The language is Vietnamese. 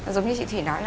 giống như chị thủy nói là